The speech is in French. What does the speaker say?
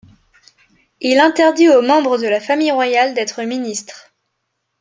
Il interdit aux membres de la famille royale d'être ministre.